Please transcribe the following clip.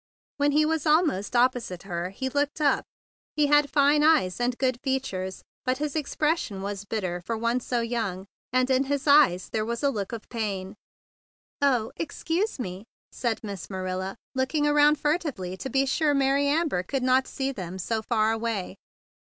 When he was almost opposite to her, he looked up. He had fine eyes and good features; but his expression was bitter for one so young, and in the eyes there was a look of pain. "Oh! excuse me," said Miss Marilla, looking around furtively to be sure Mary Amber could not see them so far away.